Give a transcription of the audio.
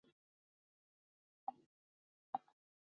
广岛东洋鲤鱼是一支隶属日本职棒中央联盟的球队。